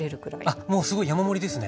あっもうすごい山盛りですね。